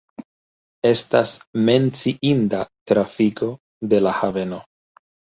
Estas menciinda trafiko de la haveno.